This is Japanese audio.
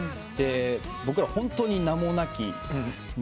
僕らホントに名もなき。